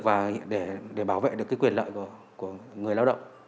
và để bảo vệ được cái quyền lợi của người lao động